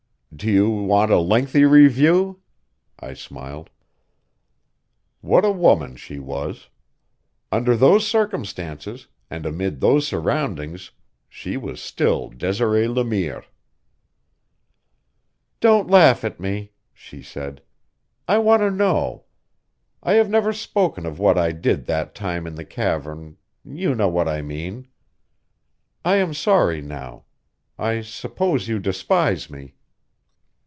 "Do you want a lengthy review?" I smiled. What a woman she was! Under those circumstances, and amid those surroundings, she was still Desiree Le Mire. "Don't laugh at me," she said. "I want to know. I have never spoken of what I did that time in the cavern you know what I mean. I am sorry now. I suppose you despise me."